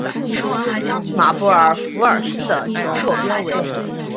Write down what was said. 马布尔福尔斯的座标为。